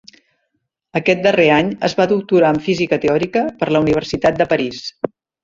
Aquest darrer any es va doctorar en física teòrica per la Universitat de París.